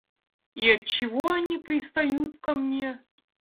И отчего они пристают ко мне?